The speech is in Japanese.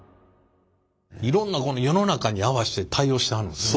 いろんな世の中に合わして対応してはるんですね。